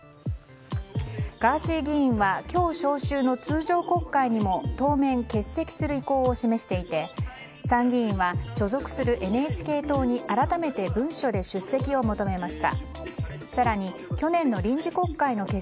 ガーシー議員は今日召集の通常国会にも当面、欠席する意向を示していて参議院は所属するＮＨＫ党に改めて文書で出席を求めました。